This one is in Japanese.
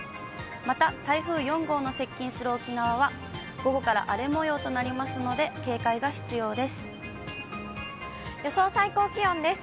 また、台風４号の接近する沖縄は、午後から荒れもようとなりますので、警戒が必要です。